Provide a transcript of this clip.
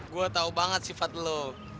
gue tau banget sifat lo